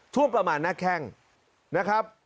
ช่วงประมาณหน้าแข้งนะครับ